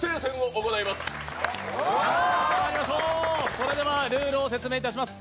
それではルールを説明いたします。